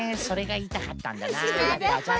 それがいいたかったんだなあ。